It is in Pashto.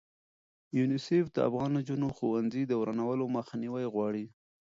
یونیسف د افغانو نجونو ښوونځي د ورانولو مخنیوی غواړي.